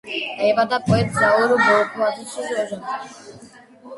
დაიბადა პოეტ ზაურ ბოლქვაძის ოჯახში.